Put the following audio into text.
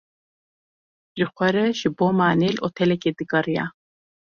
Ji xwe re ji bo manê li otelekê digeriya.